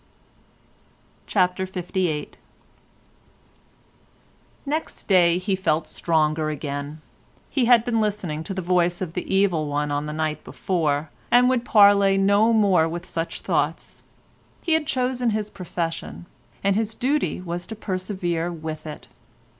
CHAPTER LVIII Next day he felt stronger again. He had been listening to the voice of the evil one on the night before, and would parley no more with such thoughts. He had chosen his profession, and his duty was to persevere with it.